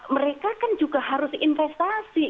mereka kan juga harus investasi